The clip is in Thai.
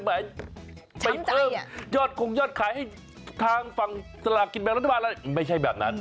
แบบไปเพิ่มยอดคงยอดขายให้ทางฝั่งศาลากิจแบบรัฐบาลไม่ใช่แบบนั้น